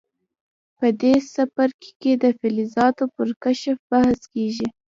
په دې څپرکي کې د فلزاتو پر کشف بحث کیږي.